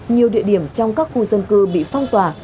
nhiều địa điểm trong các khu dân cư bị phong tỏa